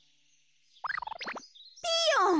ピーヨン！